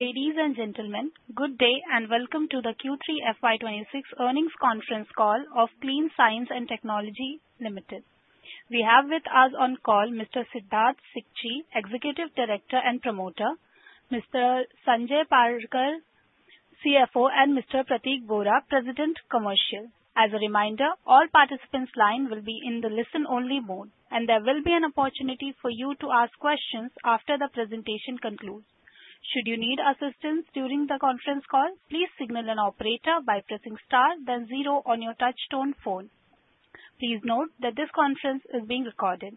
Ladies and gentlemen, good day, and welcome to the Q3 FY26 earnings conference call of Clean Science and Technology Limited. We have with us on call Mr. Siddharth Sikchi, Executive Director and Promoter, Mr. Sanjay Parnerkar, CFO, and Mr. Pratik Bora, President Commercial. As a reminder, all participants' line will be in the listen-only mode, and there will be an opportunity for you to ask questions after the presentation concludes. Should you need assistance during the conference call, please signal an operator by pressing star, then zero on your touchtone phone. Please note that this conference is being recorded.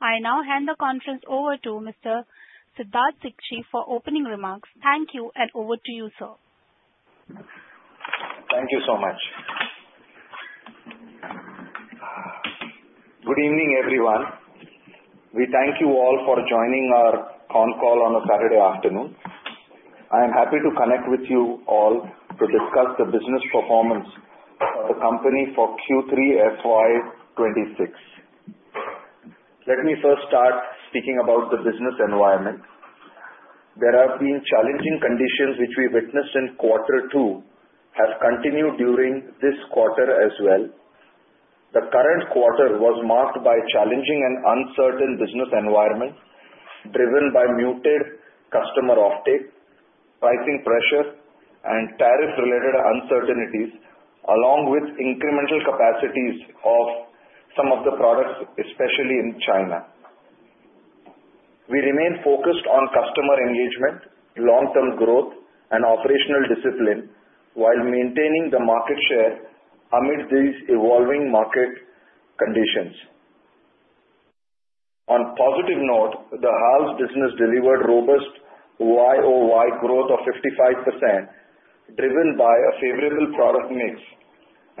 I now hand the conference over to Mr. Siddharth Sikchi for opening remarks. Thank you, and over to you, sir. Thank you so much. Good evening, everyone. We thank you all for joining our conf call on a Saturday afternoon. I am happy to connect with you all to discuss the business performance of the company for Q3 FY 2026. Let me first start speaking about the business environment. There have been challenging conditions, which we witnessed in quarter two, have continued during this quarter as well. The current quarter was marked by challenging and uncertain business environment, driven by muted customer offtake, pricing pressure, and tariff-related uncertainties, along with incremental capacities of some of the products, especially in China. We remain focused on customer engagement, long-term growth, and operational discipline while maintaining the market share amid these evolving market conditions. On positive note, the HALS business delivered robust YoY growth of 55%, driven by a favorable product mix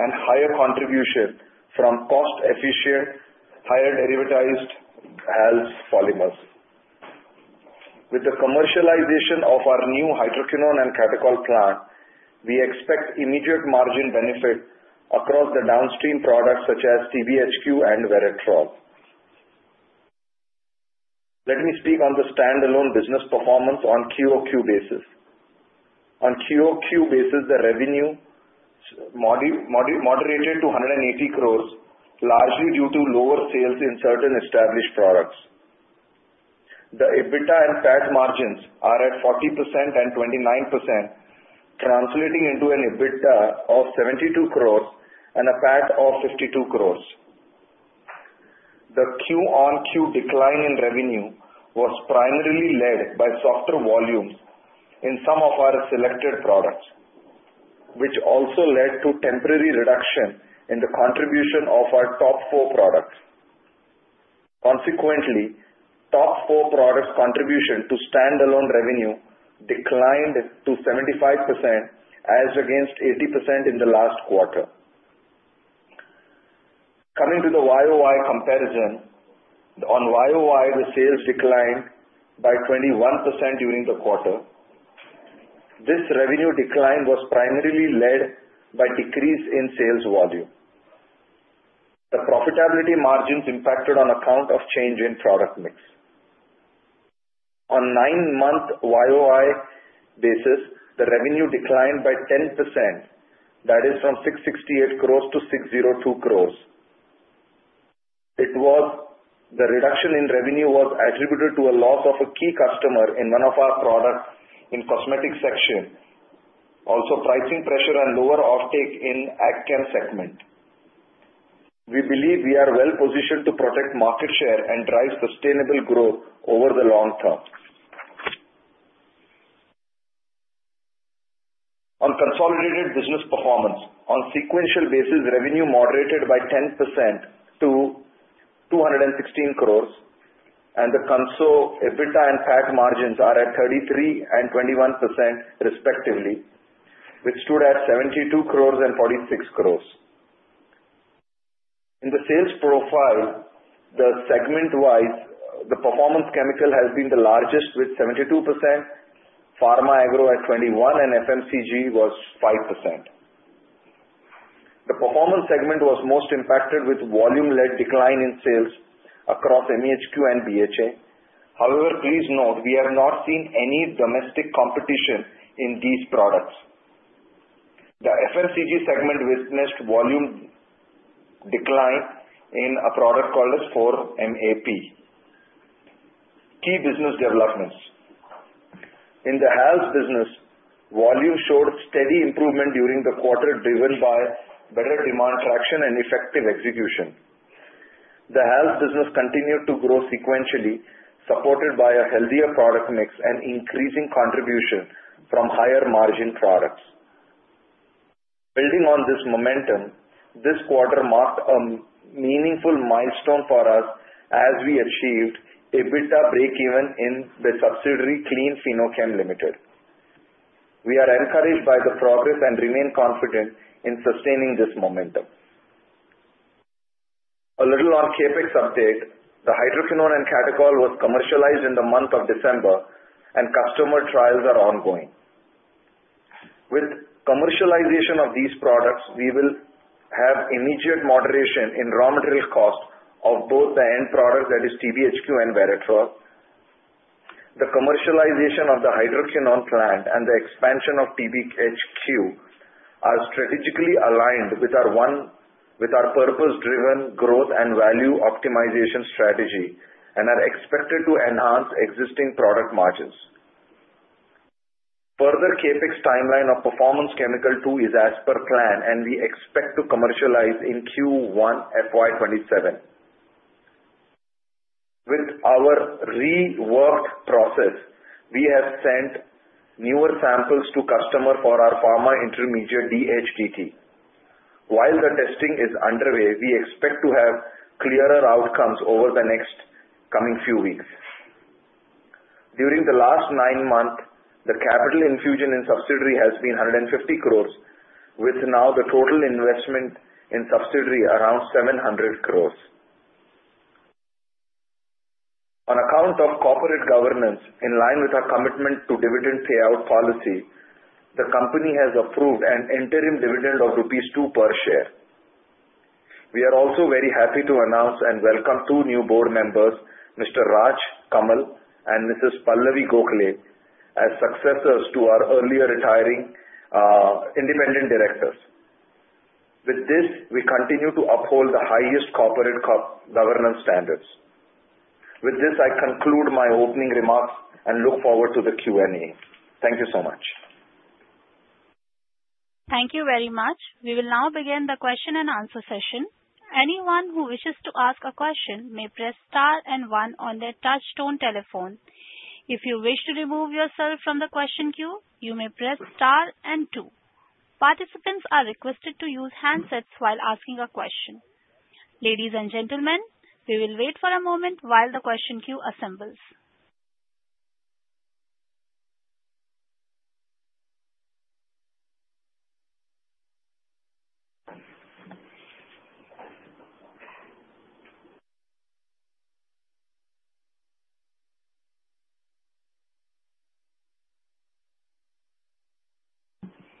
and higher contribution from cost-efficient, higher derivatized HALS polymers. With the commercialization of our new hydroquinone and catechol plant, we expect immediate margin benefit across the downstream products, such as TBHQ and Veratrole. Let me speak on the standalone business performance on QoQ basis. On QoQ basis, the revenue moderated to 180 crore, largely due to lower sales in certain established products. The EBITDA and PAT margins are at 40% and 29%, translating into an EBITDA of 72 crore and a PAT of 52 crore. The QoQ decline in revenue was primarily led by softer volumes in some of our selected products, which also led to temporary reduction in the contribution of our top four products. Consequently, top four products contribution to standalone revenue declined to 75%, as against 80% in the last quarter. Coming to the YoY comparison. On YoY, the sales declined by 21% during the quarter. This revenue decline was primarily led by decrease in sales volume. The profitability margins impacted on account of change in product mix. On 9-month YoY basis, the revenue declined by 10%, that is from 668 crores to 602 crores. It was, the reduction in revenue was attributed to a loss of a key customer in one of our products in cosmetic section. Also, pricing pressure and lower offtake in ag chem segment. We believe we are well positioned to protect market share and drive sustainable growth over the long term. On consolidated business performance: On sequential basis, revenue moderated by 10% to 216 crores, and the conso EBITDA and PAT margins are at 33% and 21% respectively, which stood at 72 crores and 46 crores. In the sales profile, the segment-wise, the performance chemical has been the largest, with 72%, pharma agro at 21%, and FMCG was 5%. The performance segment was most impacted with volume-led decline in sales across MEHQ and BHA. However, please note, we have not seen any domestic competition in these products. The FMCG segment witnessed volume decline in a product called as 4-MAP. Key business developments. In the HALS business, volume showed steady improvement during the quarter, driven by better demand traction and effective execution. The HALS business continued to grow sequentially, supported by a healthier product mix and increasing contribution from higher margin products. Building on this momentum, this quarter marked a meaningful milestone for us as we achieved EBITDA breakeven in the subsidiary, Clean Fino-Chem Limited. We are encouraged by the progress and remain confident in sustaining this momentum. A little on CapEx update. The Hydroquinone and Catechol was commercialized in the month of December, and customer trials are ongoing. With commercialization of these products, we will have immediate moderation in raw material cost of both the end product, that is TBHQ and Veratrole. The commercialization of the Hydroquinone plant and the expansion of TBHQ are strategically aligned with our purpose-driven growth and value optimization strategy, and are expected to enhance existing product margins. Further, CapEx timeline of Performance Chemical 2 is as per plan, and we expect to commercialize in Q1 FY27. With our reworked process, we have sent newer samples to customer for our pharma intermediate, DHDT. While the testing is underway, we expect to have clearer outcomes over the next coming few weeks. During the last nine months, the capital infusion in subsidiary has been 150 crores, with now the total investment in subsidiary around 700 crores. On account of corporate governance, in line with our commitment to dividend payout policy, the company has approved an interim dividend of rupees 2 per share. We are also very happy to announce and welcome two new board members, Mr. Raj Kamal and Mrs. Pallavi Gokhale, as successors to our earlier retiring independent directors. With this, we continue to uphold the highest corporate governance standards. With this, I conclude my opening remarks and look forward to the Q&A. Thank you so much. Thank you very much. We will now begin the question and answer session. Anyone who wishes to ask a question may press star and one on their touchtone telephone. If you wish to remove yourself from the question queue, you may press star and two. Participants are requested to use handsets while asking a question. Ladies and gentlemen, we will wait for a moment while the question queue assembles.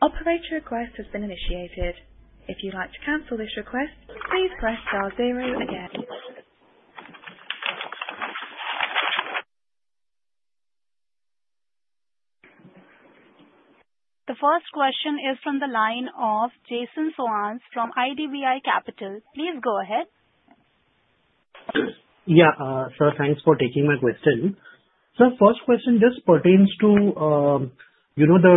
Operator, your request has been initiated. If you'd like to cancel this request, please press star zero again. The first question is from the line of Jason Soans from IDBI Capital. Please go ahead. Yeah, sir, thanks for taking my question. Sir, first question just pertains to, you know, the,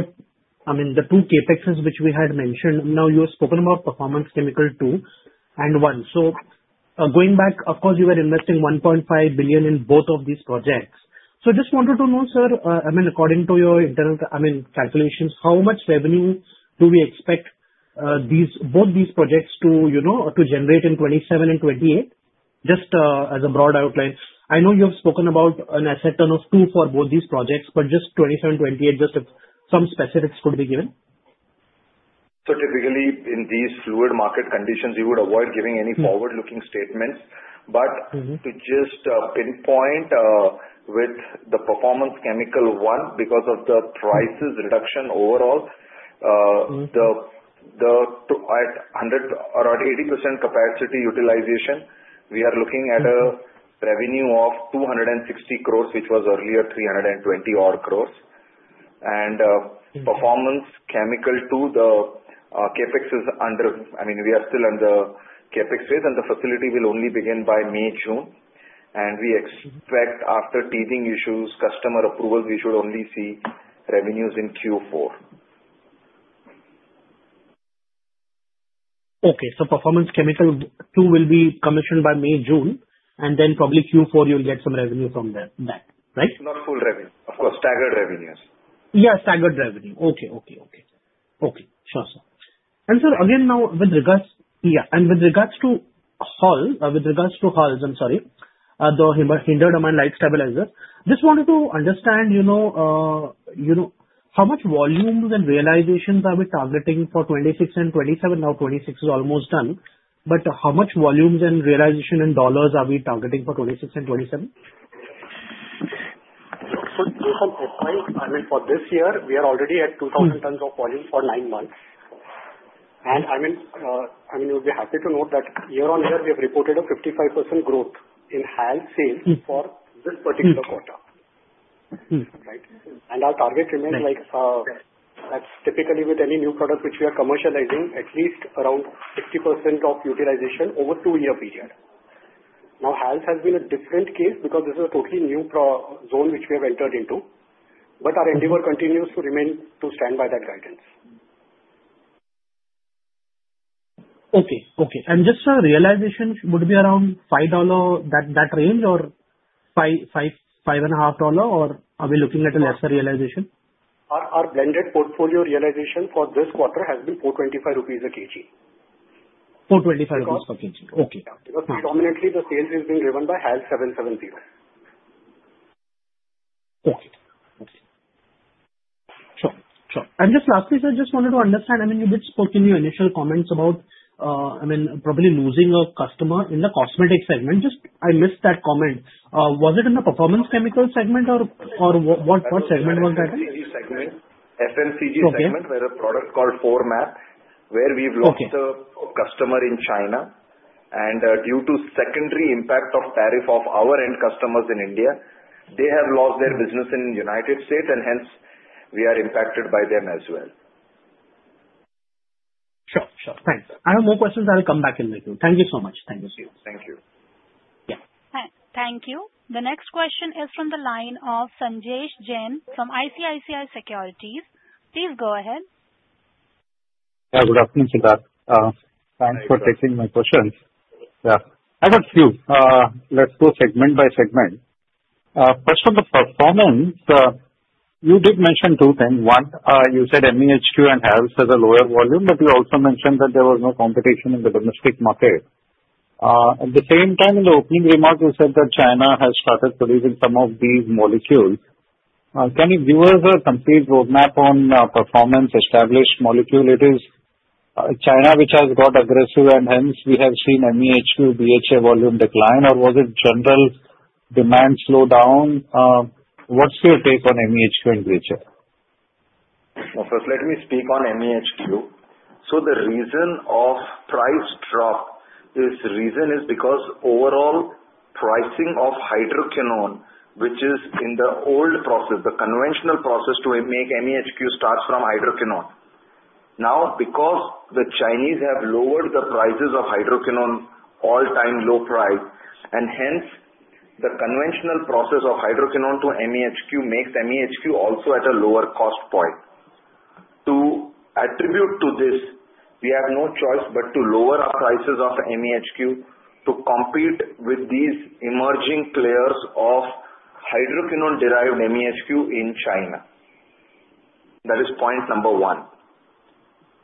I mean, the two CapExes which we had mentioned. Now, you have spoken about Performance Chemical Two and One. So, going back, of course, you were investing 1.5 billion in both of these projects. So just wanted to know, sir, I mean, according to your internal, I mean, calculations, how much revenue do we expect, these, both these projects to, you know, to generate in 2027 and 2028? Just, as a broad outline. I know you have spoken about an asset turnover 2 for both these projects, but just 2027 and 2028, just if some specifics could be given. Typically, in these fluid market conditions, we would avoid giving any- forward-looking statements. But to just pinpoint with the Performance Chemical One, because of the prices reduction overall, at 180% capacity utilization, we are looking at a- -Revenue of 260 crore, which was earlier 320-odd crore. And, Performance Chemical 2, the CapEx is under... I mean, we are still under CapEx phase, and the facility will only begin by May, June. And we expect- After teething issues, customer approval, we should only see revenues in Q4. Okay. So Performance Chemical 2 will be commissioned by May, June, and then probably Q4 you'll get some revenue from the, that, right? Not full revenue. Of course, staggered revenue, yes. Yeah, staggered revenue. Okay. Okay, okay. Okay, sure, sir. And sir, again, now, with regards... Yeah, and with regards to HALS, I'm sorry, the hindered amine light stabilizer. Just wanted to understand, you know, you know, how much volumes and realizations are we targeting for 2026 and 2027? Now, 2026 is almost done, but how much volumes and realization in dollars are we targeting for 2026 and 2027? From HALS, I mean, for this year, we are already at 2,000- -Tons of volume for nine months. And I mean, I mean, you'll be happy to note that year-on-year, we have reported a 55% growth in HALS sales- for this particular quarter. Right? And our target remains like, Yes. That's typically with any new product which we are commercializing, at least around 60% of utilization over 2-year period. Now, HALS has been a different case because this is a totally new process zone which we have entered into, but our endeavor continues to remain to stand by that guidance. Okay. Okay. And just, realization would be around $5, that range, or $5-$5.5, or are we looking at a lesser realization? Our blended portfolio realization for this quarter has been 425 rupees a kg. 425 rupees per kg. Okay. Yeah. Because dominantly the sales is being driven by HALS 770. Okay. Okay. Sure, sure. And just lastly, sir, I just wanted to understand, I mean, you did spoke in your initial comments about, I mean, probably losing a customer in the cosmetic segment. Just, I missed that comment. Was it in the performance chemical segment or what segment was that in? FMCG segment. Okay. -where a product called 4-MAP, where we've lost- Okay the customer in China, and, due to secondary impact of tariff of our end customers in India, they have lost their business in United States, and hence we are impacted by them as well. Sure, sure. Thanks. I have more questions. I will come back in with you. Thank you so much. Thank you, sir. Thank you. Yeah. Thank you. The next question is from the line of Sanjesh Jain from ICICI Securities. Please go ahead. Yeah, good afternoon, Siddharth. Thanks for taking my questions. Yeah, I have a few. Let's go segment by segment. First on the Performance Chemicals, you did mention two things: One, you said MEHQ and HALS has a lower volume, but you also mentioned that there was no competition in the domestic market. At the same time, in the opening remarks, you said that China has started producing some of these molecules. Can you give us a complete roadmap on Performance Chemicals established molecules? It is China which has got aggressive, and hence we have seen MEHQ, BHA volume decline, or was it general demand slowdown? What's your take on MEHQ and BHA? Well, first, let me speak on MEHQ. So the reason of price drop, is reason is because overall pricing of Hydroquinone, which is in the old process, the conventional process to make MEHQ starts from Hydroquinone. Now, because the Chinese have lowered the prices of Hydroquinone all-time low price, and hence, the conventional process of Hydroquinone to MEHQ makes MEHQ also at a lower cost point. To attribute to this, we have no choice but to lower our prices of MEHQ to compete with these emerging players of Hydroquinone-derived MEHQ in China. That is point number one.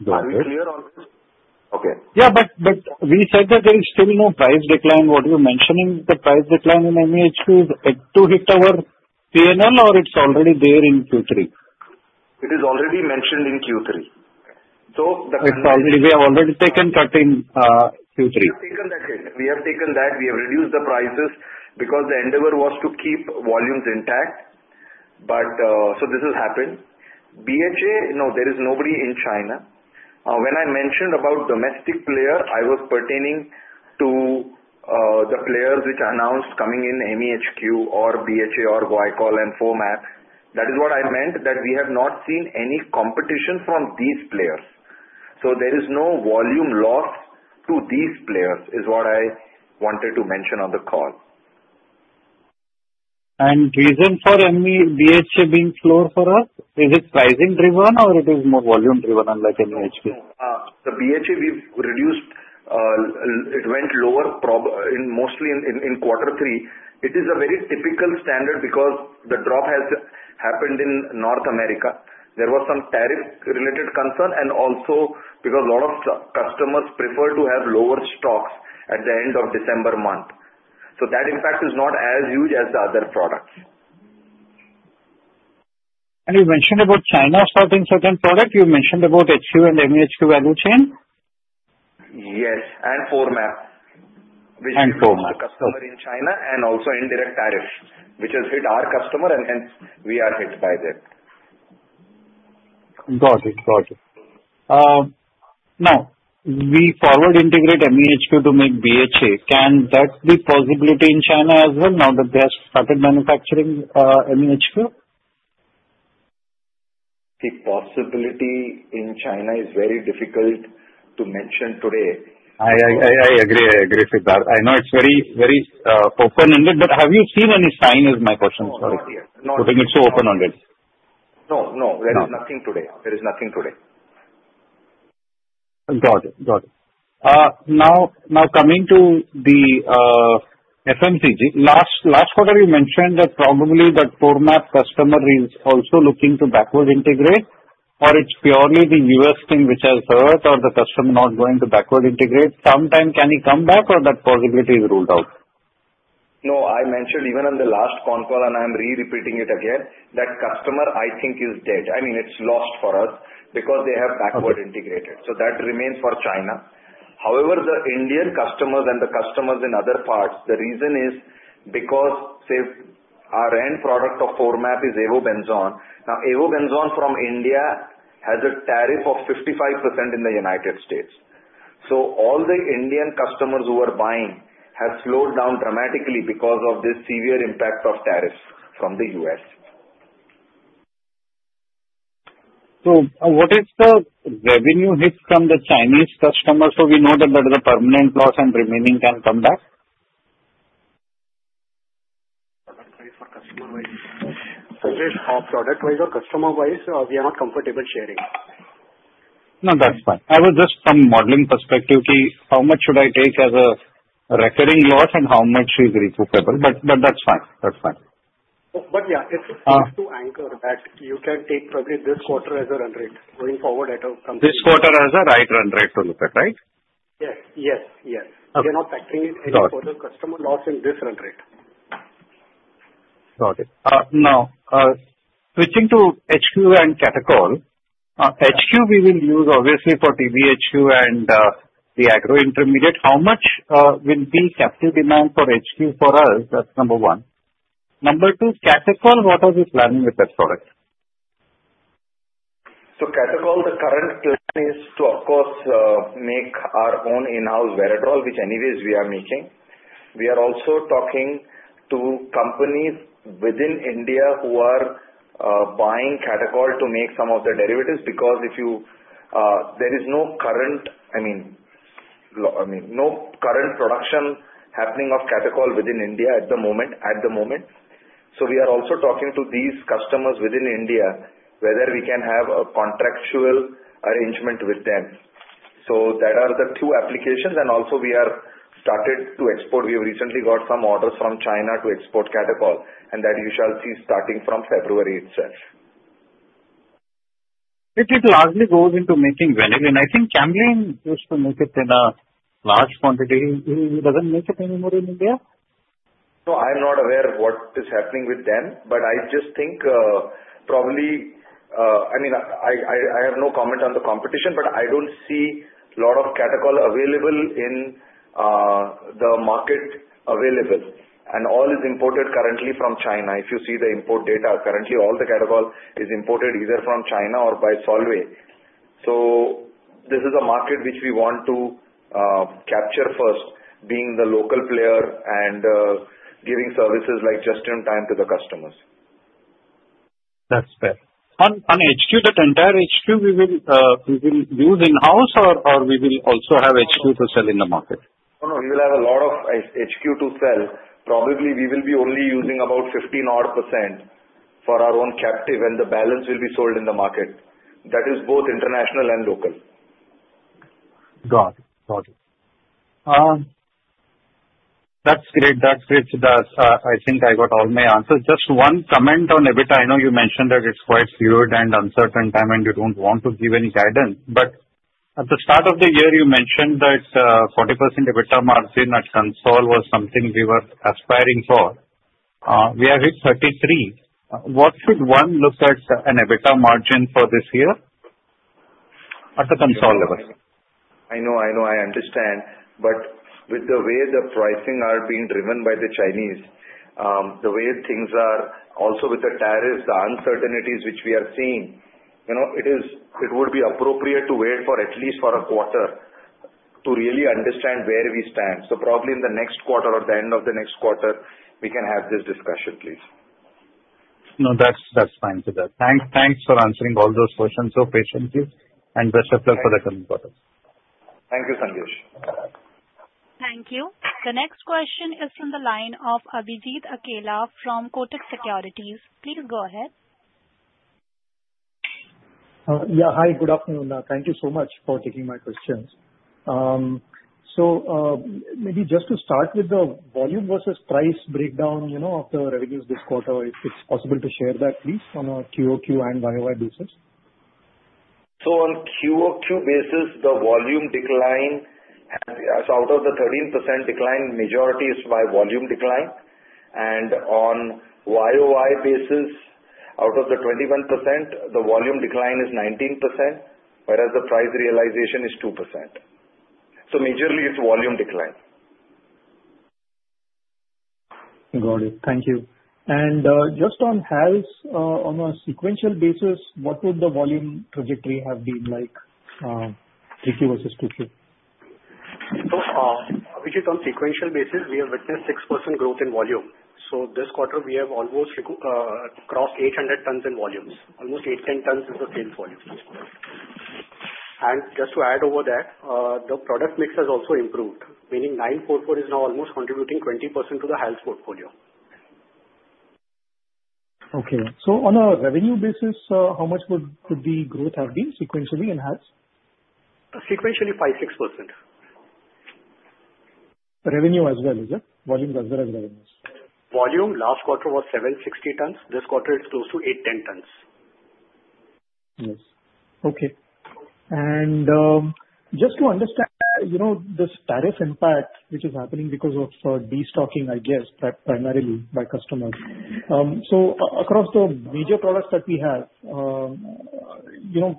Go ahead. Are we clear on this? Okay. Yeah, but, but we said that there is still no price decline. What you're mentioning, the price decline in MEHQ is yet to hit our PNL or it's already there in Q3? It is already mentioned in Q3. So the- It's already, we have already taken cut in Q3. We have taken that hit. We have taken that. We have reduced the prices because the endeavor was to keep volumes intact. But, so this has happened. BHA, no, there is nobody in China. When I mentioned about domestic player, I was pertaining to the players which announced coming in MEHQ or BHA or Guaiacol and 4-MAP. That is what I meant, that we have not seen any competition from these players. So there is no volume loss to these players, is what I wanted to mention on the call. Reason for MEHQ, BHA being slow for us, is it pricing driven or it is more volume driven unlike MEHQ? The BHA we've reduced, it went lower probably mostly in quarter three. It is a very typical standard because the drop has happened in North America. There was some tariff-related concern and also because a lot of customers prefer to have lower stocks at the end of December month. So that impact is not as huge as the other products. You mentioned about China starting certain product, you mentioned about HQ and MEHQ value chain? Yes, and format. And format. Customer in China and also indirect tariff, which has hit our customer and hence we are hit by them. Got it, got it. Now, we forward integrate MEHQ to make BHA. Can that be possibility in China as well, now that they have started manufacturing MEHQ? The possibility in China is very difficult to mention today. I agree. I agree, Siddharth. I know it's very, very, open-ended, but have you seen any sign, is my question? Sorry. No, not yet. It's open-ended. No, no, there is nothing today. There is nothing today. Got it, got it. Now, coming to the FMCG. Last quarter, you mentioned that probably the major customer is also looking to backward integrate, or it's purely the U.S. thing which has hurt or the customer not going to backward integrate. So, can you come back or that possibility is ruled out? No, I mentioned even in the last con call, and I'm re-repeating it again, that customer I think is dead. I mean, it's lost for us because they have backward integrated. Okay. So that remains for China. However, the Indian customers and the customers in other parts, the reason is because, say, our end product of format is Avobenzone. Now, Avobenzone from India has a tariff of 55% in the United States. So all the Indian customers who are buying have slowed down dramatically because of this severe impact of tariffs from the U.S. What is the revenue hit from the Chinese customers, so we know that there is a permanent loss and remaining can come back? Product-wise or customer-wise? Sanjesh, product-wise or customer-wise, we are not comfortable sharing. No, that's fine. I was just from modeling perspective, see how much should I take as a recurring loss and how much is recoupable, but, but that's fine. That's fine. But yeah- Uh. It's to anchor that you can take probably this quarter as a run rate going forward at a company. This quarter is a right run rate to look at, right? Yes, yes, yes. Okay. We're not factoring in any- Got it. Further customer loss in this run rate. Got it. Now, switching to HQ and catechol. HQ we will use obviously for TBHQ and, the agro intermediate. How much will be captive demand for HQ for us? That's number one. Number two, catechol, what are we planning with that product?... So catechol, the current plan is to, of course, make our own in-house Veratrole, which anyways we are making. We are also talking to companies within India who are buying catechol to make some of their derivatives, because if you, there is no current, I mean, no current production happening of catechol within India at the moment, at the moment. So we are also talking to these customers within India, whether we can have a contractual arrangement with them. So that are the two applications, and also we are started to export. We have recently got some orders from China to export catechol, and that you shall see starting from February itself. It largely goes into making vanillin. I think Camlin used to make it in a large quantity. It doesn't make it anymore in India? No, I'm not aware of what is happening with them, but I just think, probably, I mean, I have no comment on the competition, but I don't see lot of catechol available in, the market available, and all is imported currently from China. If you see the import data, currently, all the catechol is imported either from China or by Solvay. So this is a market which we want to, capture first, being the local player and, giving services like just in time to the customers. That's fair. On HQ, that entire HQ, we will use in-house or we will also have HQ to sell in the market? No, no, we will have a lot of MEHQ to sell. Probably, we will be only using about 15 odd % for our own captive, and the balance will be sold in the market. That is both international and local. Got it. Got it. That's great. That's great, Siddharth. I think I got all my answers. Just one comment on EBITDA. I know you mentioned that it's quite fluid and uncertain time, and you don't want to give any guidance. But at the start of the year, you mentioned that, 40% EBITDA margin at Consol was something we were aspiring for. We are at 33. What should one look at an EBITDA margin for this year at the Consol level? I know, I know, I understand. But with the way the pricing are being driven by the Chinese, the way things are also with the tariffs, the uncertainties which we are seeing, you know, it would be appropriate to wait for at least a quarter to really understand where we stand. So probably in the next quarter or the end of the next quarter, we can have this discussion, please. No, that's, that's fine, Siddharth. Thank, thanks for answering all those questions so patiently, and best of luck for the coming quarters. Thank you, Sanjesh. Thank you. The next question is from the line of Abhijit Akella from Kotak Securities. Please go ahead. Yeah, hi. Good afternoon. Thank you so much for taking my questions. So, maybe just to start with the volume versus price breakdown, you know, of the revenues this quarter, if it's possible to share that, please, on a QoQ and YoY basis. So on a QoQ basis, the volume decline... So out of the 13% decline, majority is by volume decline. And on a YoY basis, out of the 21%, the volume decline is 19%, whereas the price realization is 2%. So majorly it's volume decline. Got it. Thank you. And, just on HALS, on a sequential basis, what would the volume trajectory have been like, Q2 versus Q4? So, Abhijit, on sequential basis, we have witnessed 6% growth in volume. So this quarter, we have almost crossed 800 tons in volumes, almost 810 tons is the sales volume. And just to add over that, the product mix has also improved, meaning 944 is now almost contributing 20% to the HALS portfolio. Okay. So on a revenue basis, how much would, could the growth have been sequentially in HALS? Sequentially, 5%-6%. Revenue as well, is it? Volumes as well as revenues. Volume last quarter was 760 tons. This quarter, it's close to 810 tons. Yes. Okay. And, just to understand, you know, this tariff impact, which is happening because of, destocking, I guess, that primarily by customers. So across the major products that we have, you know,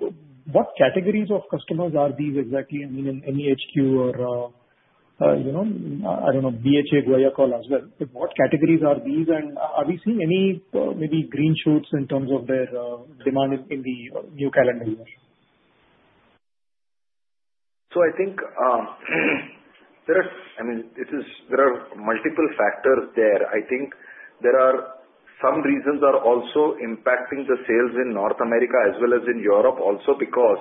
what categories of customers are these exactly? I mean, in any HQ or, you know, I don't know, BHA, guaiacol as well, but what categories are these? And are we seeing any, maybe green shoots in terms of their, demand in, in the, new calendar year? So I think, I mean, there are multiple factors there. I think there are some reasons are also impacting the sales in North America as well as in Europe also because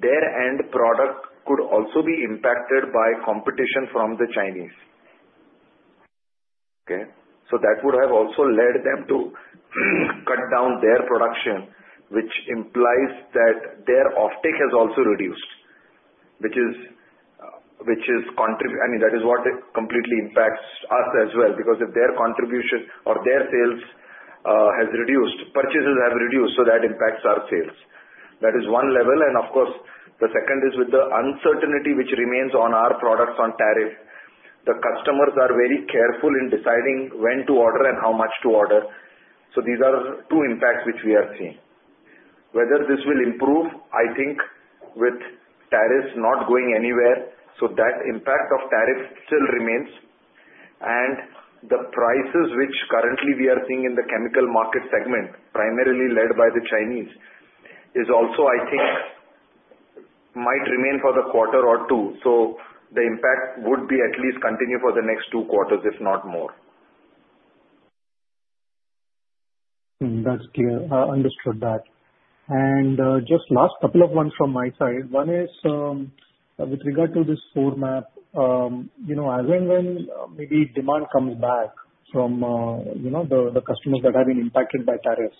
their end product could also be impacted by competition from the Chinese. Okay? So that would have also led them to cut down their production, which implies that their offtake has also reduced, which is, I mean, that is what it completely impacts us as well, because if their contribution or their sales has reduced, purchases have reduced, so that impacts our sales. That is one level, and of course, the second is with the uncertainty which remains on our products on tariff. The customers are very careful in deciding when to order and how much to order. So these are two impacts which we are seeing. Whether this will improve, I think, with tariffs not going anywhere, so that impact of tariff still remains... And the prices which currently we are seeing in the chemical market segment, primarily led by the Chinese, is also, I think, might remain for the quarter or two. So the impact would be at least continue for the next two quarters, if not more. Mm, that's clear. Understood that. Just last couple of ones from my side. One is with regard to this format. You know, as and when maybe demand comes back from you know, the customers that have been impacted by tariffs,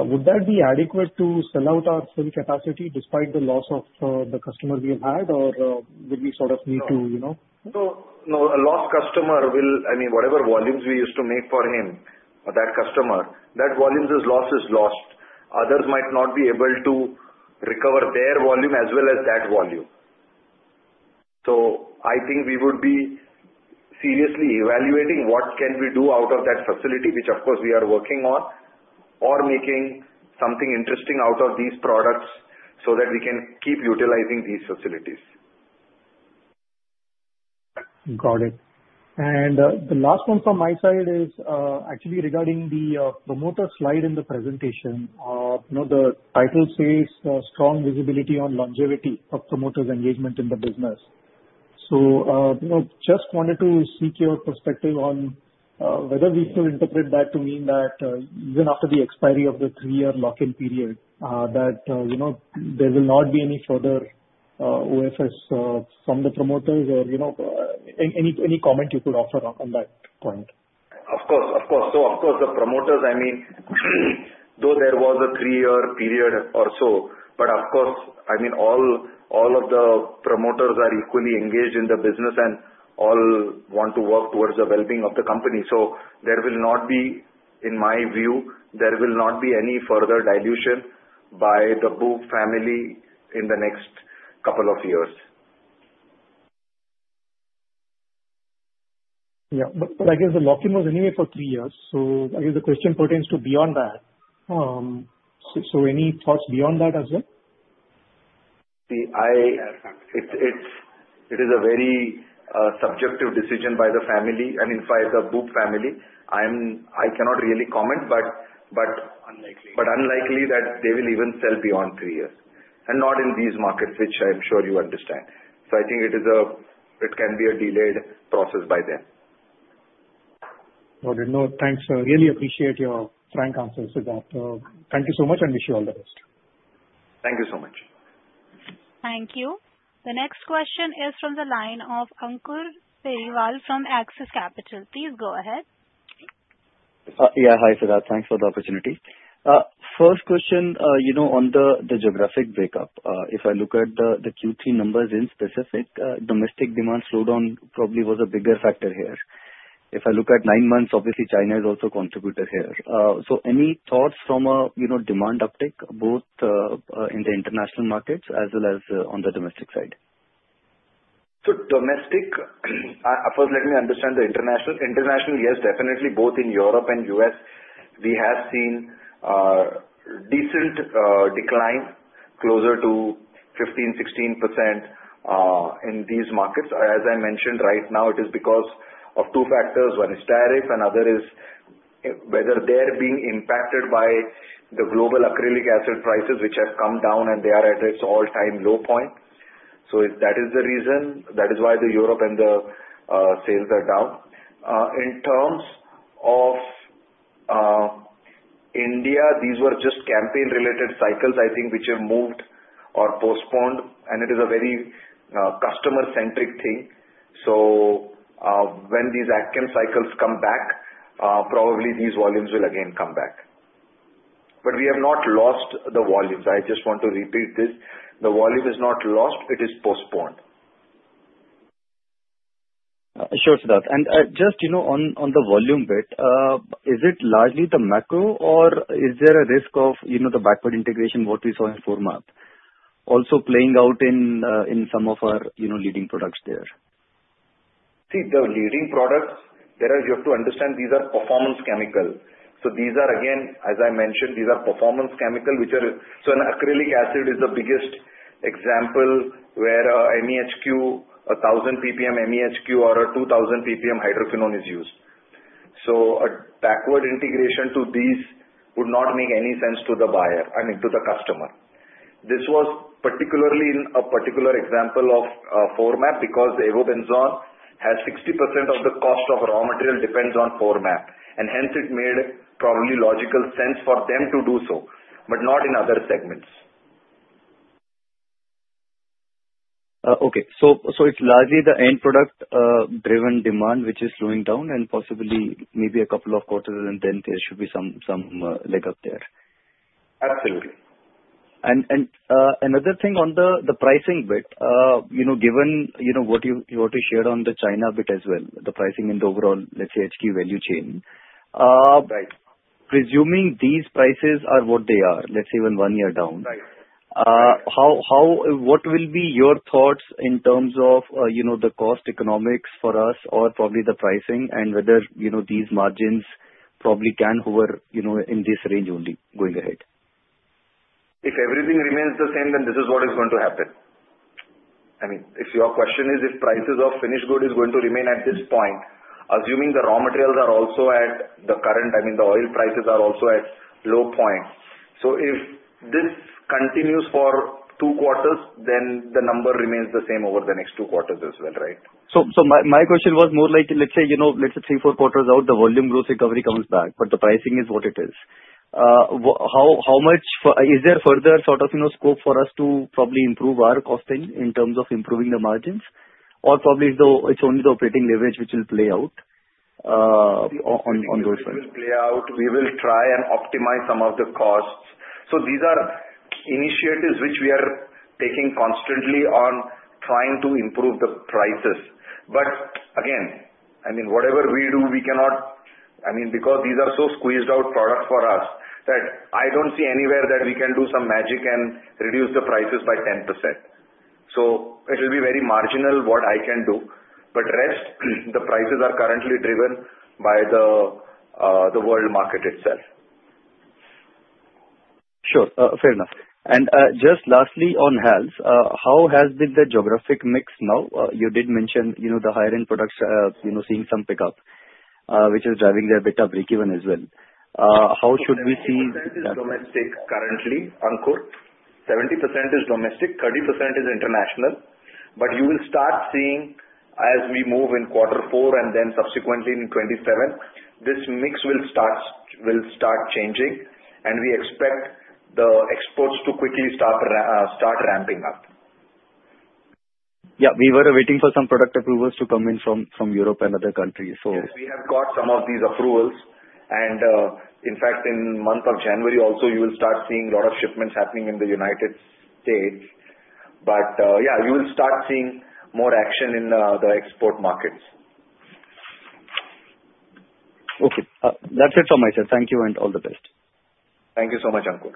would that be adequate to sell out our full capacity despite the loss of the customers we have had? Or would we sort of need to, you know- So, no, a lost customer will... I mean, whatever volumes we used to make for him, for that customer, that volume is lost, is lost. Others might not be able to recover their volume as well as that volume. So I think we would be seriously evaluating what can we do out of that facility, which of course, we are working on, or making something interesting out of these products so that we can keep utilizing these facilities. Got it. And, the last one from my side is, actually regarding the, promoter slide in the presentation. You know, the title says, Strong Visibility on Longevity of Promoters' Engagement in the Business. So, you know, just wanted to seek your perspective on, whether we should interpret that to mean that, even after the expiry of the three-year lock-in period, that, you know, there will not be any further, OFS, from the promoters or, you know, any comment you could offer on, that point? Of course. So of course, the promoters, I mean, though there was a three-year period or so, but of course, I mean, all of the promoters are equally engaged in the business, and all want to work towards the well-being of the company. So there will not be, in my view, any further dilution by the Boob Family in the next couple of years. Yeah. But, I guess the lock-in was anyway for three years, so I guess the question pertains to beyond that. So, any thoughts beyond that as well? See, it is a very subjective decision by the family, I mean by the Boob Family. I cannot really comment, but, but- Unlikely. But unlikely that they will even sell beyond three years, and not in these markets, which I am sure you understand. So I think it is a... It can be a delayed process by them. Okay. No, thanks, sir. Really appreciate your frank answers to that. Thank you so much, and wish you all the best. Thank you so much. Thank you. The next question is from the line of Ankur Periwal from Axis Capital. Please go ahead. Yeah. Hi, Siddharth. Thanks for the opportunity. First question, you know, on the geographic breakup. If I look at the Q3 numbers in specific, domestic demand slowdown probably was a bigger factor here. If I look at nine months, obviously China has also contributed here. So any thoughts from a, you know, demand uptick, both in the international markets as well as on the domestic side? So domestic, first let me understand the international. International, yes, definitely both in Europe and U.S., we have seen, decent, decline closer to 15%-16%, in these markets. As I mentioned, right now it is because of two factors. One is tariff and other is, whether they're being impacted by the global acrylic acid prices, which have come down and they are at its all-time low point. So if that is the reason, that is why the Europe and the, sales are down. In terms of, India, these were just campaign-related cycles, I think, which have moved or postponed, and it is a very, customer-centric thing. So, when these action cycles come back, probably these volumes will again come back. But we have not lost the volumes. I just want to repeat this: the volume is not lost, it is postponed. Sure, Siddharth. Just, you know, on the volume bit, is it largely the macro or is there a risk of, you know, the backward integration, what we saw in FMCG, also playing out in some of our, you know, leading products there? See, the leading products, there are... You have to understand, these are performance chemicals. So these are, again, as I mentioned, these are performance chemical, which are- So Acrylic Acid is the biggest example where, MEHQ, 1,000 PPM MEHQ or 2,000 PPM Hydroquinone is used. So a backward integration to these would not make any sense to the buyer, I mean, to the customer. This was particularly in a particular example of, 4-MAP, because Avobenzone has 60% of the cost of raw material depends on 4-MAP, and hence it made probably logical sense for them to do so, but not in other segments. Okay. So, it's largely the end product driven demand, which is slowing down, and possibly maybe a couple of quarters, and then there should be some leg up there? Absolutely. Another thing on the pricing bit, you know, given, you know, what you shared on the China bit as well, the pricing and the overall, let's say, HQ value chain. Uh, right. Presuming these prices are what they are, let's say even one year down- Right. How, what will be your thoughts in terms of, you know, the cost economics for us, or probably the pricing and whether, you know, these margins probably can hover, you know, in this range only going ahead? If everything remains the same, then this is what is going to happen. I mean, if your question is if prices of finished goods is going to remain at this point, assuming the raw materials are also at the current, I mean, the oil prices are also at low point. So if this continues for two quarters, then the number remains the same over the next two quarters as well, right? So my question was more like, let's say, you know, let's say 3-4 quarters out, the volume growth recovery comes back, but the pricing is what it is. How much further is there sort of, you know, scope for us to probably improve our costing in terms of improving the margins? Or probably it's only the operating leverage which will play out on those front. It will play out. We will try and optimize some of the costs. So these are initiatives which we are taking constantly on trying to improve the prices. But again, I mean, whatever we do, we cannot... I mean, because these are so squeezed out products for us, that I don't see anywhere that we can do some magic and reduce the prices by 10%. So it will be very marginal what I can do, but rest, the prices are currently driven by the, the world market itself. Sure, fair enough. And, just lastly on HALS, how has been the geographic mix now? You did mention, you know, the higher end products, you know, seeing some pickup, which is driving their better breakeven as well. How should we see- 70% is domestic currently, Ankur. 70% is domestic, 30% is international. But you will start seeing as we move in quarter four and then subsequently in 2027, this mix will start, will start changing, and we expect the exports to quickly start ramping up. Yeah, we were waiting for some product approvals to come in from Europe and other countries, so. Yes, we have got some of these approvals. And, in fact, in the month of January also, you will start seeing a lot of shipments happening in the United States. But, yeah, you will start seeing more action in the export markets. Okay. That's it from myself. Thank you, and all the best. Thank you so much, Ankur.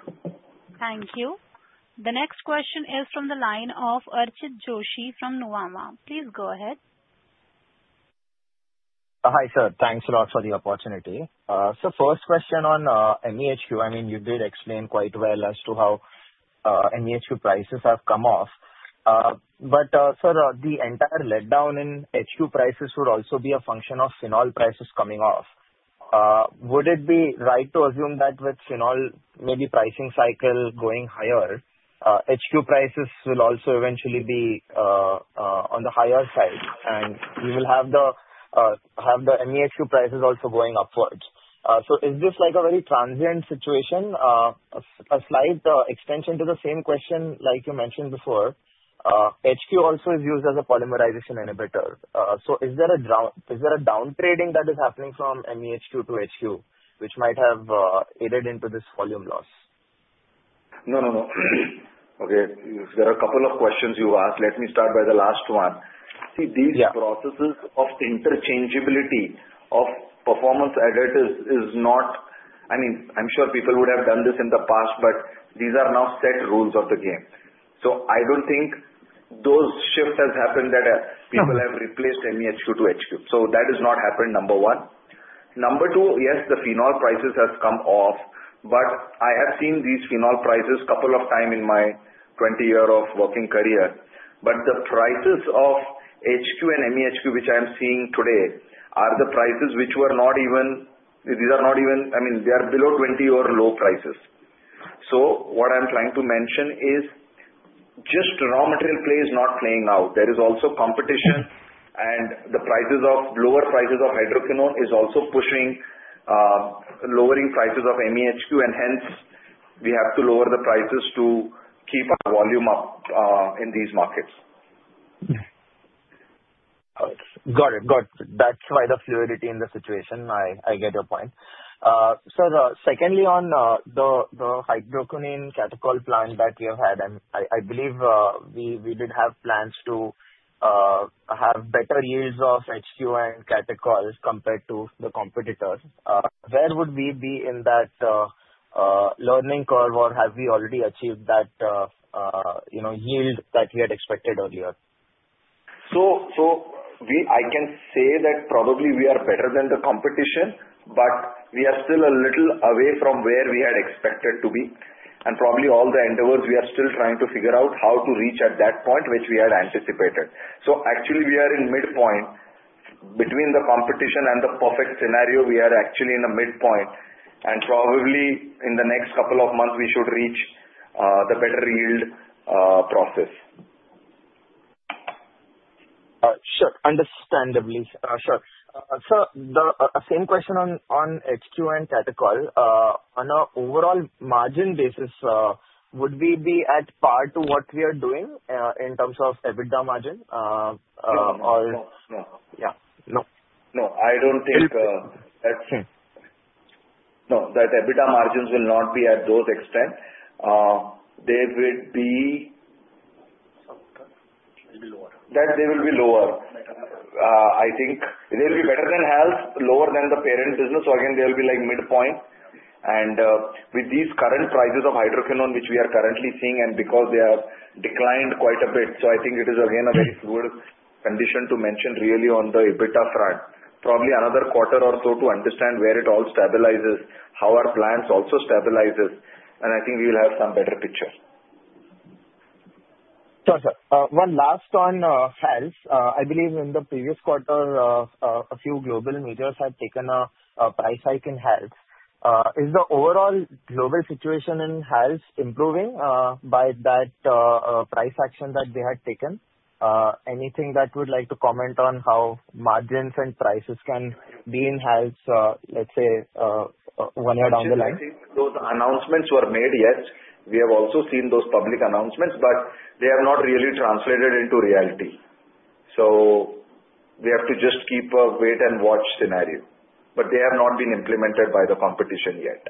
Thank you. The next question is from the line of Archit Joshi from Nuvama. Please go ahead. Hi, sir. Thanks a lot for the opportunity. So first question on MEHQ. I mean, you did explain quite well as to how MEHQ prices have come off. But sir, the entire letdown in HQ prices would also be a function of phenol prices coming off. Would it be right to assume that with phenol maybe pricing cycle going higher, HQ prices will also eventually be on the higher side, and you will have the MEHQ prices also going upwards? So is this like a very transient situation? A slight extension to the same question like you mentioned before, HQ also is used as a polymerization inhibitor. So, is there a downtrading that is happening from MEHQ to HQ, which might have aided into this volume loss? No, no, no. Okay, there are a couple of questions you asked. Let me start by the last one. Yeah. See, these processes of interchangeability of performance additives is not—I mean, I'm sure people would have done this in the past, but these are now set rules of the game. So I don't think those shifts has happened, that. No. People have replaced MEHQ to HQ. So that has not happened, number one. Number two, yes, the phenol prices has come off, but I have seen these phenol prices couple of time in my 20-year of working career. But the prices of HQ and MEHQ, which I am seeing today, are the prices which were not even... These are not even- I mean, they are below 20 or low prices. So what I'm trying to mention is just raw material play is not playing out. There is also competition, and the prices of- lower prices of hydroquinone is also pushing, lowering prices of MEHQ, and hence we have to lower the prices to keep our volume up, in these markets. Got it. Got it. That's why the fluidity in the situation. I get your point. So, secondly, on the hydroquinone catechol plan that you have had, and I believe we did have plans to have better yields of HQ and catechol as compared to the competitors. Where would we be in that learning curve, or have we already achieved that, you know, yield that we had expected earlier? So, we... I can say that probably we are better than the competition, but we are still a little away from where we had expected to be. And probably all the endeavors, we are still trying to figure out how to reach at that point, which we had anticipated. So actually we are in midpoint. Between the competition and the perfect scenario, we are actually in a midpoint, and probably in the next couple of months we should reach the better yield process. Sure. Understandably. Sure. Sir, the same question on HQ and catechol. On an overall margin basis, would we be at par to what we are doing in terms of EBITDA margin, or- No, no. Yeah. No. No, I don't think that- No, that EBITDA margins will not be at those extent. They will be- Lower. That they will be lower. I think they'll be better than health, lower than the parent business. So again, they will be like midpoint. And with these current prices of Hydroquinone, which we are currently seeing, and because they have declined quite a bit, so I think it is again a very fluid... conditioned to mention really on the EBITDA front. Probably another quarter or so to understand where it all stabilizes, how our plants also stabilizes, and I think we will have some better picture. Sure, sir. One last on HALS. I believe in the previous quarter, a few global majors have taken a price hike in HALS. Is the overall global situation in HALS improving by that price action that they had taken? Anything that you would like to comment on how margins and prices can be in HALS, let's say, one year down the line? Those announcements were made, yes. We have also seen those public announcements, but they are not really translated into reality. We have to just keep a wait-and-watch scenario. They have not been implemented by the competition yet.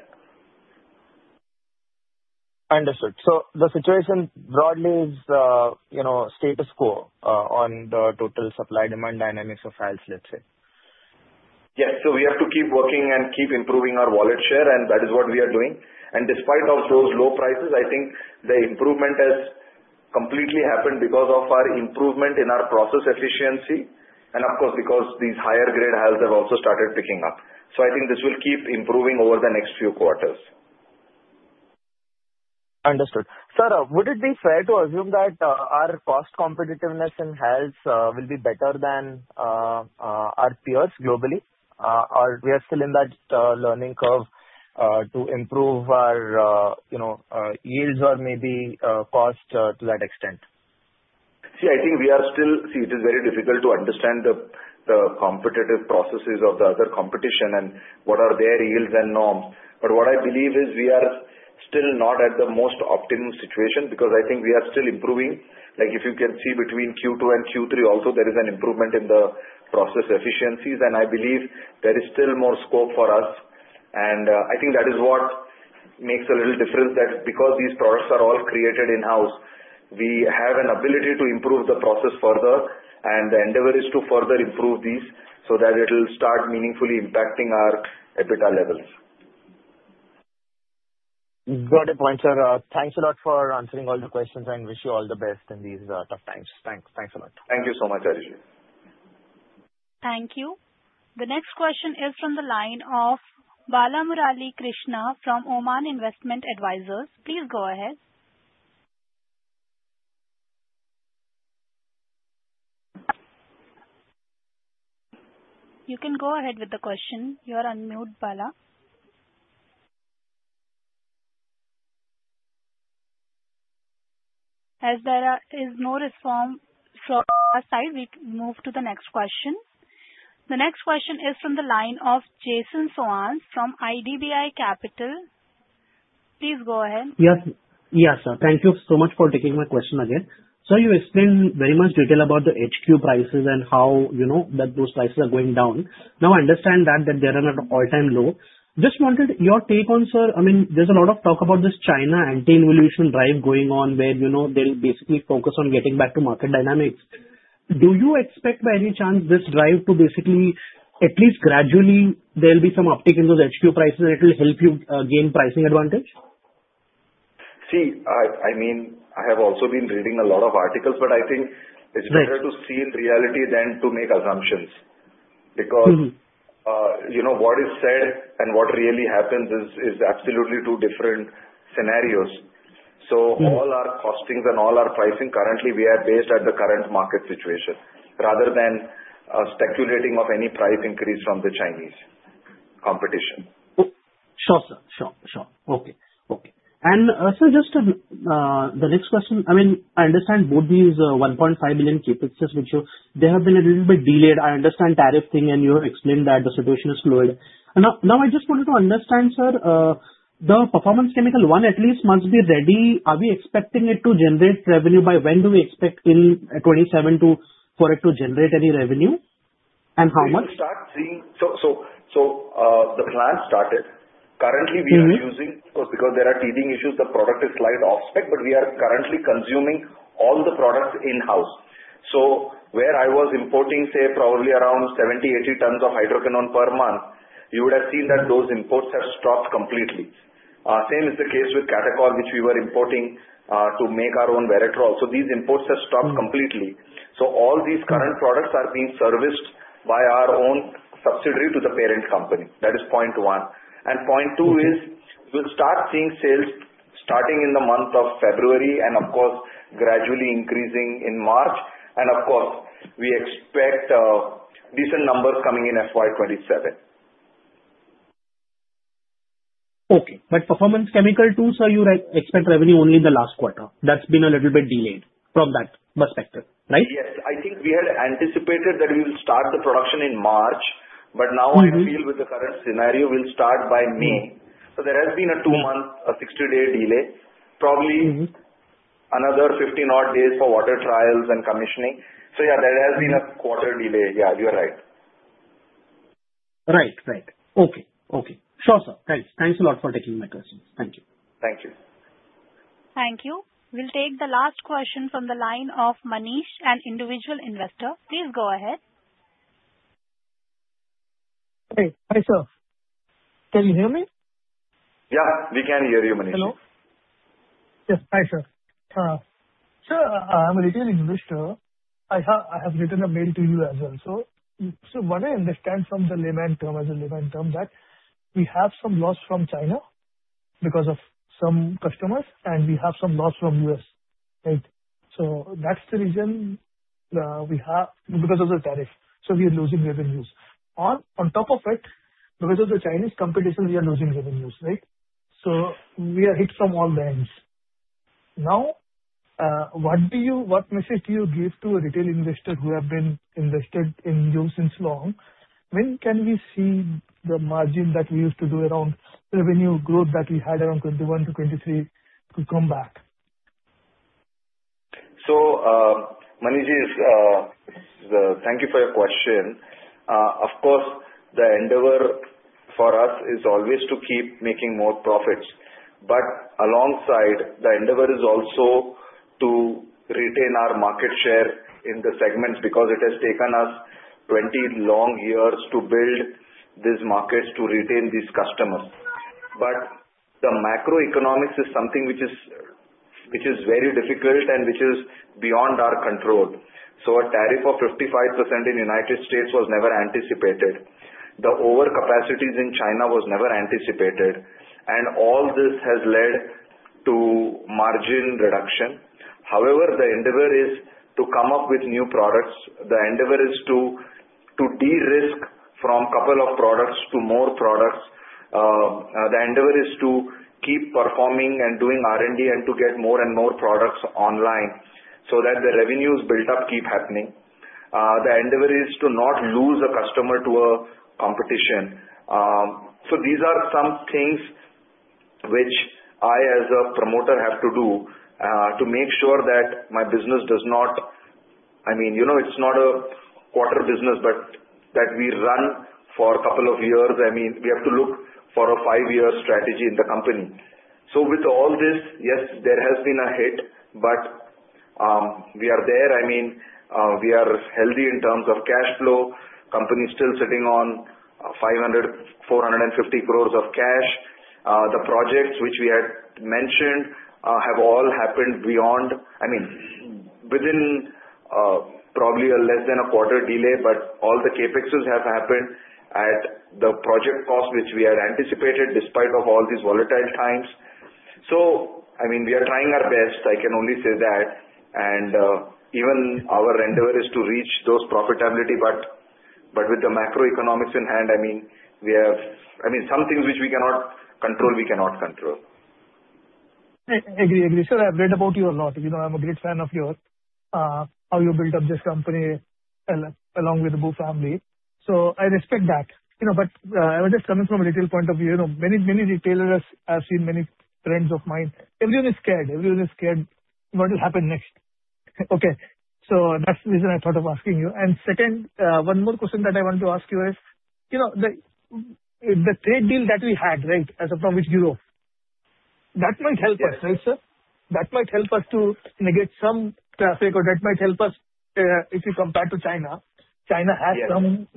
Understood. The situation broadly is, you know, status quo on the total supply-demand dynamics of HALS, let's say? Yes. So we have to keep working and keep improving our wallet share, and that is what we are doing. Despite of those low prices, I think the improvement has completely happened because of our improvement in our process efficiency, and of course, because these higher grade HALS have also started picking up. So I think this will keep improving over the next few quarters. Understood. Sir, would it be fair to assume that our cost competitiveness in HALS will be better than our peers globally? Are we still in that learning curve to improve our, you know, yields or maybe cost to that extent? See, it is very difficult to understand the competitive processes of the other competition and what their yields and norms are. But what I believe is we are still not at the most optimum situation, because I think we are still improving. Like, if you can see between Q2 and Q3 also, there is an improvement in the process efficiencies, and I believe there is still more scope for us. And, I think that is what makes a little difference, that because these products are all created in-house, we have an ability to improve the process further, and the endeavor is to further improve these so that it'll start meaningfully impacting our EBITDA levels. Got the point, sir. Thanks a lot for answering all the questions, and wish you all the best in these, tough times. Thanks. Thanks a lot. Thank you so much, Archit. Thank you. The next question is from the line of Balamurali Krishna from Oman India Joint Investment Fund. Please go ahead. You can go ahead with the question. You are on mute, Bala. As there is no response from our side, we move to the next question. The next question is from the line of Jason Soans from IDBI Capital. Please go ahead. Yes. Yes, sir. Thank you so much for taking my question again. Sir, you explained very much detail about the HQ prices and how you know that those prices are going down. Now, I understand that, that they are at an all-time low. Just wanted your take on, sir, I mean, there's a lot of talk about this China anti-inflation drive going on, where, you know, they'll basically focus on getting back to market dynamics. Do you expect, by any chance, this drive to basically, at least gradually, there'll be some uptick in those HQ prices, and it will help you gain pricing advantage? See, I mean, I have also been reading a lot of articles, but I think... Right... It's better to see in reality than to make assumptions. Because, you know, what is said and what really happens is absolutely two different scenarios. All our costings and all our pricing currently, we are based at the current market situation rather than speculating of any price increase from the Chinese competition. Sure, sir. Sure, sure. Okay, okay. And, sir, just the next question, I mean, I understand both these 1.5 million CapEx, which they have been a little bit delayed. I understand tariff thing, and you have explained that the situation is fluid. Now I just wanted to understand, sir, the Performance Chemical 1 at least must be ready. Are we expecting it to generate revenue? By when do we expect in 2027 to, for it to generate any revenue, and how much? We will start seeing... So, the plant started. Currently, we are using, of course, because there are teething issues, the product is slight off-spec, but we are currently consuming all the products in-house. So where I was importing, say, probably around 70-80 tons of Hydroquinone per month, you would have seen that those imports have stopped completely. Same is the case with Catechol, which we were importing, to make our own Veratrole. So these imports have stopped completely. All these current products are being serviced by our own subsidiary to the parent company. That is point one. Point 2 is, we'll start seeing sales starting in the month of February, and of course, gradually increasing in March. Of course, we expect decent numbers coming in FY 2027. Okay. But Performance Chemical 2, sir, you expect revenue only in the last quarter. That's been a little bit delayed from that perspective, right? Yes. I think we had anticipated that we will start the production in March- But now I feel with the current scenario, we'll start by May. There has been a 2-month, a 60-day delay. Probably another 15 odd days for water trials and commissioning. So yeah, there has been a quarter delay. Yeah, you are right. Right, right. Okay, okay. Sure, sir. Thanks. Thanks a lot for taking my questions. Thank you. Thank you. Thank you. We'll take the last question from the line of Manish, an individual investor. Please go ahead.... Hey, hi, sir. Can you hear me? Yeah, we can hear you, Manish. Hello? Yes. Hi, sir. Sir, I'm a retail investor. I have, I have written a mail to you as well. So, so what I understand from the layman term, as a layman term, that we have some loss from China because of some customers, and we have some loss from US, right? So that's the reason, we have because of the tariff, so we are losing revenues. On, on top of it, because of the Chinese competition, we are losing revenues, right? So we are hit from all ends. Now, what message do you give to a retail investor who have been invested in you since long? When can we see the margin that we used to do around revenue growth that we had around 21-23 to come back? So, Manish, thank you for your question. Of course, the endeavor for us is always to keep making more profits, but alongside, the endeavor is also to retain our market share in the segments, because it has taken us 20 long years to build these markets, to retain these customers. But the macroeconomics is something which is very difficult and which is beyond our control. So a tariff of 55% in the United States was never anticipated. The overcapacities in China was never anticipated, and all this has led to margin reduction. However, the endeavor is to come up with new products. The endeavor is to de-risk from couple of products to more products. The endeavor is to keep performing and doing R&D and to get more and more products online so that the revenues built up keep happening. The endeavor is to not lose a customer to a competition. So these are some things which I, as a promoter, have to do, to make sure that my business does not... I mean, you know, it's not a quarter business, but that we run for a couple of years. I mean, we have to look for a five-year strategy in the company. So with all this, yes, there has been a hit, but, we are there. I mean, we are healthy in terms of cash flow. Company is still sitting on 450 crores of cash. The projects which we had mentioned, have all happened within, probably less than a quarter delay, but all the CapExes have happened at the project cost, which we had anticipated, despite of all these volatile times. So, I mean, we are trying our best, I can only say that. And even our endeavor is to reach those profitability, but with the macroeconomics in hand, I mean, we have, I mean, some things which we cannot control, we cannot control. I agree. I agree. Sir, I've read about you a lot. You know, I'm a great fan of yours. How you built up this company along with the Boob family. So I respect that. You know, but, I was just coming from a retail point of view, you know, many, many retailers, I've seen many friends of mine, everyone is scared. Everyone is scared what will happen next. Okay, so that's the reason I thought of asking you. And second, one more question that I want to ask you is, you know, the, the trade deal that we had, right, as of now, with Europe, that might help us, right, sir? That might help us to negate some tariff or that might help us, if you compare to China. Yes. China has some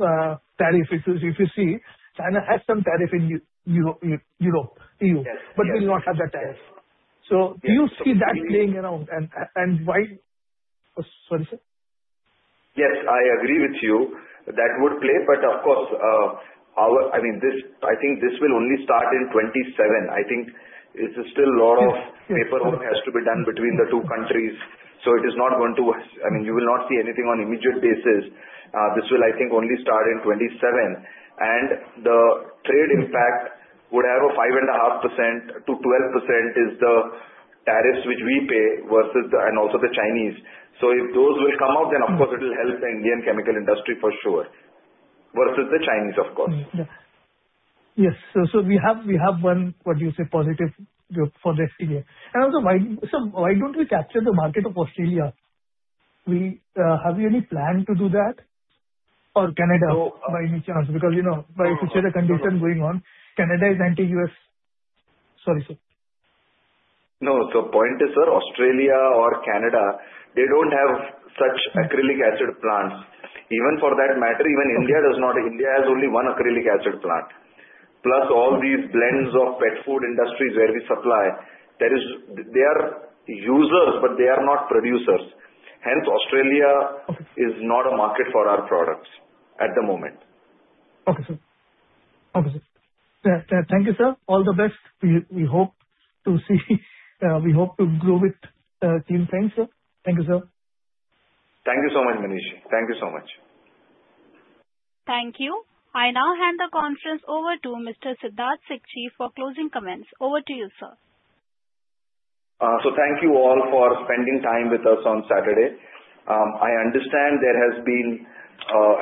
tariff. If you see, China has some tariff in the EU, Europe, EU- Yes. but we not have that tariff. Yes. So do you see that playing around? And, and why... Sorry, sir. Yes, I agree with you. That would play, but of course, our... I mean, this, I think this will only start in 2027. I think it's still a lot of- Yes. -Paperwork has to be done between the two countries, so it is not going to... I mean, you will not see anything on immediate basis. This will, I think, only start in 2027, and the trade impact would have a 5.5%-12% is the tariffs which we pay versus the, and also the Chinese. So if those will come out, then of course it will help the Indian chemical industry for sure, versus the Chinese, of course. Yes. So we have one, what do you say, positive for next year. And also, why don't we capture the market of Australia? We have any plan to do that or Canada by any chance? Because, you know, by the political condition going on, Canada is anti-U.S. Sorry, sir. No, so point is, sir, Australia or Canada, they don't have such Acrylic Acid plants. Even for that matter, even India does not. India has only one Acrylic Acid plant. Plus all these blends of pet food industries where we supply, they are users, but they are not producers. Hence, Australia is not a market for our products at the moment. Okay, sir. Okay, sir. Thank you, sir. All the best. We, we hope to see, we hope to grow with, Team Science. Thank you, sir. Thank you so much, Manish. Thank you so much. Thank you. I now hand the conference over to Mr. Siddharth Sikchi for closing comments. Over to you, sir. So thank you all for spending time with us on Saturday. I understand there has been,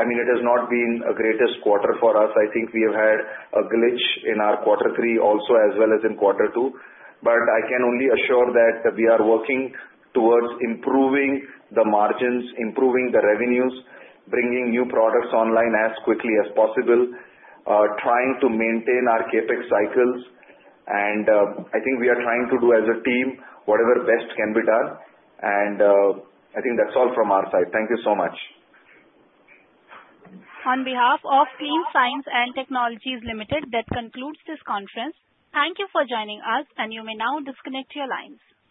I mean, it has not been a greatest quarter for us. I think we have had a glitch in our quarter three also, as well as in quarter two. But I can only assure that we are working towards improving the margins, improving the revenues, bringing new products online as quickly as possible, trying to maintain our CapEx cycles. And I think we are trying to do as a team, whatever best can be done. And I think that's all from our side. Thank you so much. On behalf of Clean Science and Technology Limited, that concludes this conference. Thank you for joining us, and you may now disconnect your lines.